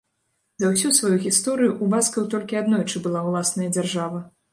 За ўсю сваю гісторыю ў баскаў толькі аднойчы была ўласная дзяржава.